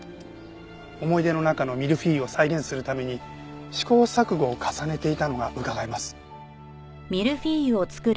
思い出の中のミルフィーユを再現するために試行錯誤を重ねていたのがうかがえます。